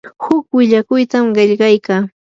huk willakuytam qillqaykaa.